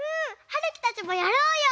はるきたちもやろうよ！